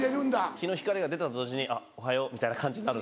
日の光が出たと同時に「おはよう」みたいな感じになる。